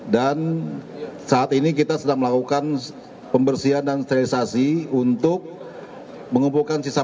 dan saat ini kita sedang melakukan pembersihan dan sterilisasi untuk mengumpulkan sisamatan